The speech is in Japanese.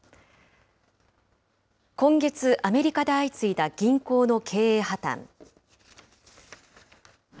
今月、アメリカで相次いだ銀行の経営破綻。